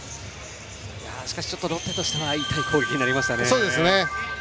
しかしロッテとしては痛い攻撃になりましたね。